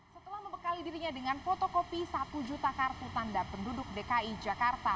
setelah membekali dirinya dengan fotokopi satu juta kartu tanda penduduk dki jakarta